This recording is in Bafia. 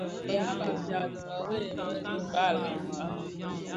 Bë ya Bafia bi mëree më dhibal a Noun.